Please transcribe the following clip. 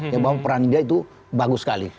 ya bahwa peran dia itu bagus sekali